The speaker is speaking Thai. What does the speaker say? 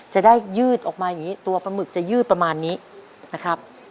จะได้ยืดออกมาอย่างนี้ตัวปลาหมึกจะยืดประมาณนี้นะครับ